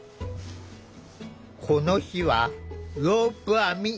この日はロープ編み。